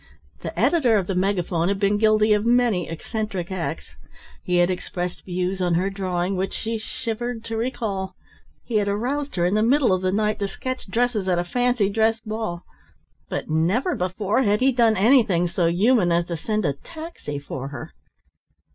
The editor of the Megaphone had been guilty of many eccentric acts. He had expressed views on her drawing which she shivered to recall. He had aroused her in the middle of the night to sketch dresses at a fancy dress ball, but never before had he done anything so human as to send a taxi for her.